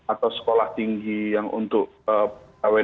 atau sekolah tinggi yang untuk pegawai